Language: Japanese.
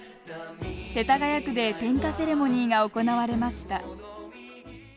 世田谷区で点火セレモニーが行われました。